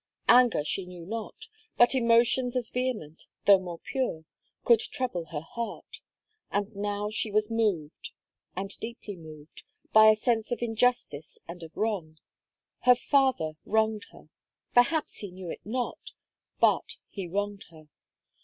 Anger she knew not; but emotions as vehement, though more pure, could trouble her heart. And now she was moved, and deeply moved, by a sense of injustice and of wrong. Her father wronged her perhaps he knew it not; but he wronged her.